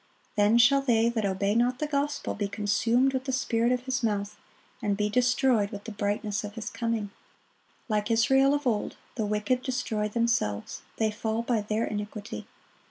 (50) Then shall they that obey not the gospel be consumed with the spirit of His mouth, and be destroyed with the brightness of His coming.(51) Like Israel of old, the wicked destroy themselves; they fall by their iniquity.